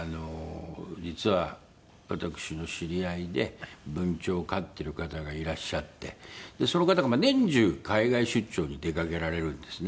実は私の知り合いで文鳥を飼ってる方がいらっしゃってその方が年中海外出張に出かけられるんですね。